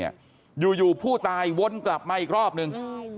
อยู่ผู้ตายวนกลับมาอีกรอบนึง